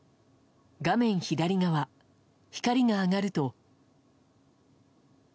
画面左側、光が上がると。